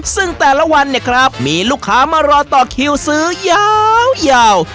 ซึ่งแต่ละวันมีลูกค้ามารอต่อคิวซื้อยาว